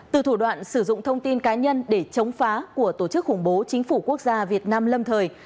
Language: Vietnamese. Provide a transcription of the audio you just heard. từ thủ đoạn sử dụng thông tin cá nhân để chống phá của tổ chức khủng bố chính phủ quốc gia việt nam lâm thời